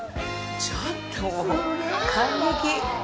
ちょっともう、感激！